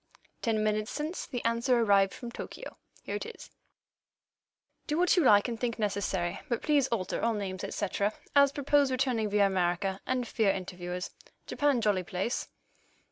Ten minutes since the answer arrived from Tokyo. Here it is: "Do what you like and think necessary, but please alter all names, et cetera, as propose returning via America, and fear interviewers. Japan jolly place."